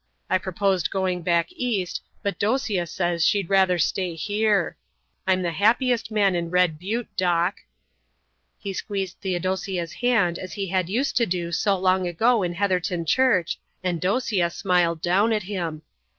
I proposed going back east, but Dosia says she'd rather stay here. I'm the happiest man in Red Butte, Doc." He squeezed Theodosia's hand as he had used to do long ago in Heatherton church, and Dosia smiled down at him.